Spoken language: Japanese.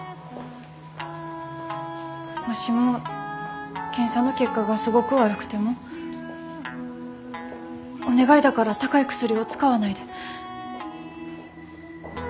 もしも検査の結果がすごく悪くてもお願いだから高い薬を使わないで。